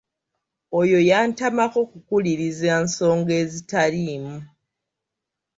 Oyo yantamako kukuliriza nsonga ezitaliimu.